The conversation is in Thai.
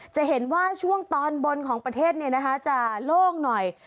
จะเห็นว่าช่วงตอนบนของประเทศจะโล่งหน่อย